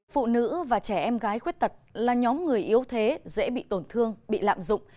phụ nữ và trẻ em gái khuyết tật là nhóm người yếu thế dễ bị tổn thương bị lạm dụng